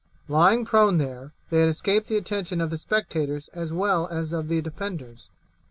Lying prone there they had escaped the attention of the spectators as well as of the defenders.